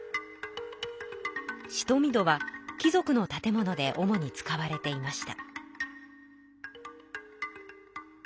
しとみ戸は貴族の建物で主に使われていました。